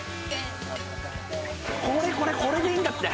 これ、これ、これでいいんだって。